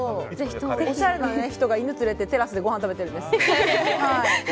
おしゃれな人が犬連れてテラスでごはん食べてるんです。